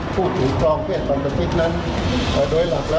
ภิกษุสวงษ์บริกา